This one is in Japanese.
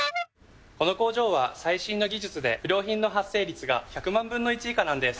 この工場は最新の技術で不良品の発生率が１００万分の１以下なんです。